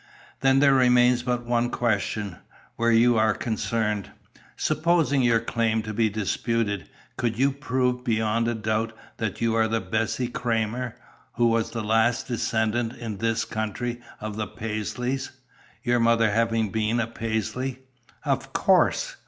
"Then there remains but one more question, where you are concerned. Supposing your claim to be disputed, could you prove beyond a doubt that you are the Bessie Cramer, who was the last descendant in this country of the Paisleys, your mother having been a Paisley?" "Of course!"